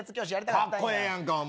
かっこええやんか、お前。